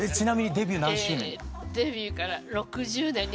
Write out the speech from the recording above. デビューから６０年になります。